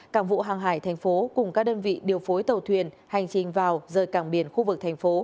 cảng vụ hàng hải tp cùng các đơn vị điều phối tàu thuyền hành trình vào rời càng biển khu vực tp